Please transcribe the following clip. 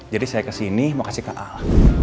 jadi saya kesini mau kasih ke al